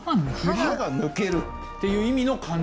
「歯が抜ける」？っていう意味の漢字？